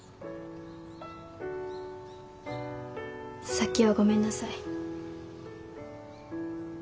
さっきはごめんなさい。